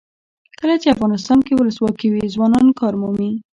کله چې افغانستان کې ولسواکي وي ځوانان کار مومي.